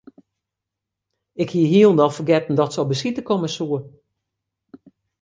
Ik hie hielendal fergetten dat se op besite komme soe.